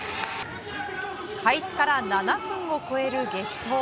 開始から７分を超える激闘。